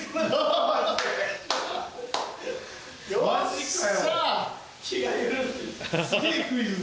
マジかよ。